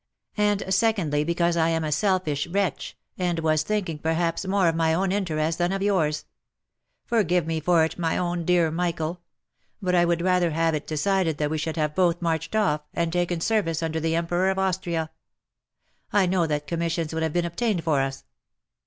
And secondly, because I am a selfish wretch, and was thinking, perhaps, more of my own interest than of yours. Forgive me for it, my own dear Michael I But I would rather have had it decided that we should have both marched off, and taken service under the Emperor of Austria. I know that commissions would have been obtained for us."